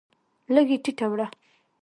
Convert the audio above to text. لږ یې ټیټه وړه